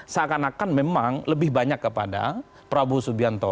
seakan akan memang lebih banyak kepada prabowo subianto